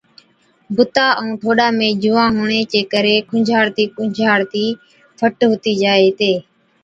بُتا ائُُون ٺوڏا ۾ جُوئان هُوَڻي چي ڪري کُنجھاڙتِي کُنجھاڙتِي فٽ هُتِي جائي هِتي۔